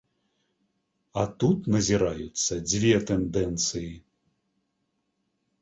А тут назіраюцца дзве тэндэнцыі.